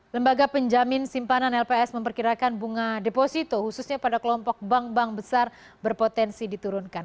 lembaga penjamin simpanan lps memperkirakan bunga deposito khususnya pada kelompok bank bank besar berpotensi diturunkan